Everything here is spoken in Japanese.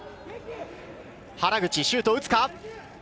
原口シュートを打つか。